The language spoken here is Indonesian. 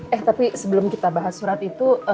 eh tapi sebelum kita bahas surat itu